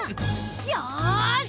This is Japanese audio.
よし！